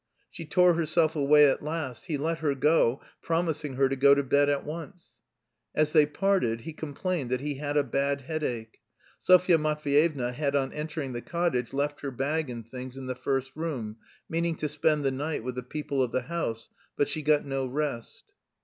She tore herself away at last; he let her go, promising her to go to bed at once. As they parted he complained that he had a bad headache. Sofya Matveyevna had on entering the cottage left her bag and things in the first room, meaning to spend the night with the people of the house; but she got no rest.